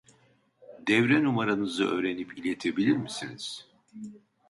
Devre numaranızı öğrenip iletebilir misiniz ?